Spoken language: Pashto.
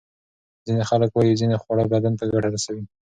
ځینې خلک وايي ځینې خواړه بدن ته ګټه رسوي.